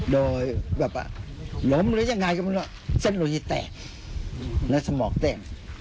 โดยแบบล้มหรือยังไงก็ไม่รู้เส้นลุยแตกและสมองแตก